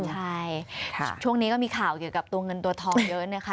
ใช่ช่วงนี้ก็มีข่าวเกี่ยวกับตัวเงินตัวทองเยอะนะคะ